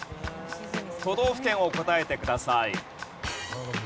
都道府県を答えてください。